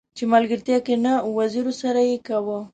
چې ملګرتيا کې نه وزيرو سره يې کاوه.